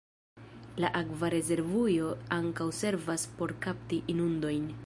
La akva rezervujo ankaŭ servas por kapti inundojn.